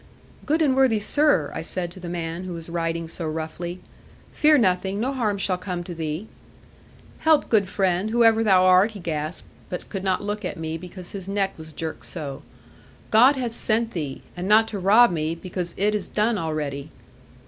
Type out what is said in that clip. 'Good and worthy sir,' I said to the man who was riding so roughly; 'fear nothing; no harm shall come to thee.' 'Help, good friend, whoever thou art,' he gasped, but could not look at me, because his neck was jerked so; 'God hath sent thee, and not to rob me, because it is done already.'